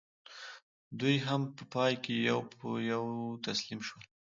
دوی هم په پای کې یو په یو تسلیم شول.